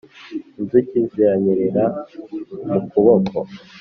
inzuki ziranyerera mu kuboko;